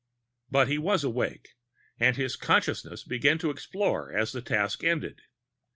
But he was awake. And his consciousness began to explore as the task ended.